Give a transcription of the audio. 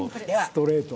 ストレート。